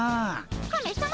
カメさま。